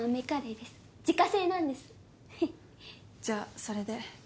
じゃあそれで。